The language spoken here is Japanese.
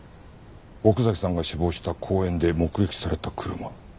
奥崎さんが死亡した公園で目撃された車。